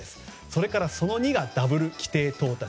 それから、その２がダブル規定到達。